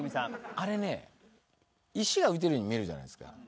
あれね石が浮いてるように見えるじゃないですか